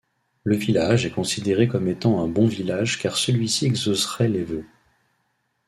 Le village est considéré comme étant un bon village car celui-ci exaucerait les vœux.